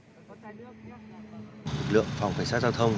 lực lượng phòng cảnh sát giao thông